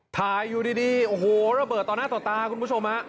อยู่ดีโอ้โหระเบิดต่อหน้าต่อตาคุณผู้ชมฮะ